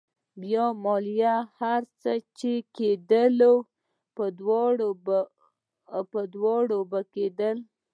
بيا مالې هر څه چې کېدل په دواړو به کېدل.